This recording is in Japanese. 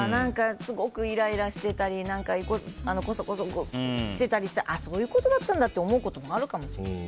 すごくイライラしてたりこそこそしてたりしたのはそういうことだったんだと思うこともあるかもしれない。